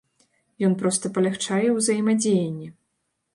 Ён проста палягчае ўзаемадзеянне.